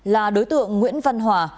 là đối tượng nguyễn văn hòa